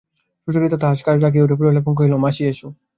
সুচরিতা তাহার কাজ রাখিয়া উঠিয়া পড়িল এবং কহিল, মাসি, এসো।